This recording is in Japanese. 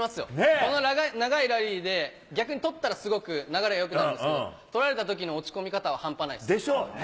この長いラリーで、逆に取ったらすごく流れよくなるんですけど、取られたときの落ち込み方は半端ないっす。でしょうね。